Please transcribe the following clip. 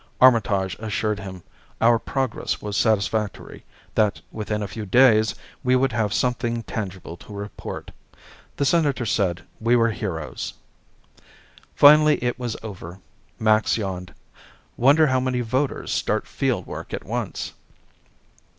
Armitage assured him our progress was satisfactory, that within a few days we would have something tangible to report. The Senator said we were heroes. Finally it was over. Max yawned. "Wonder how many voters start field work at once."